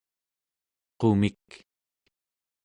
qumik